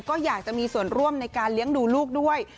ก็อยากจะมีส่วนร่วมในการเลี้ยงดูลูกด้วย